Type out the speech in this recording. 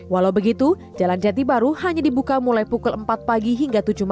walau begitu jalan jati baru hanya dibuka mulai pukul empat pagi